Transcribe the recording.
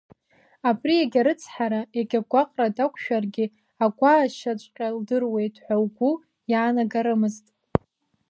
Абри егьа рыцҳара, егьа гәаҟра дақәшәаргьы агәаашьаҵәҟьа лдыруеит ҳәа угәы иаанагарымызт.